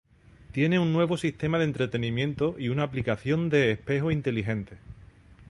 Tiene un nuevo sistema de entretenimiento y una aplicación de "espejo inteligente".